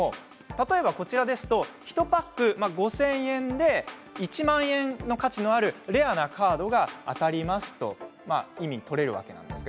例えば、こちらですと１パック５０００円で１万円の価値のあるレアなカードが当たりますと意味が取れるわけです。